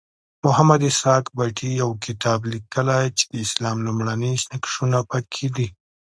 محمد اسحاق بټي یو کتاب لیکلی چې د اسلام لومړني نقشونه پکې دي.